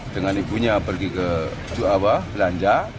dengan ibunya pergi ke juawa belanja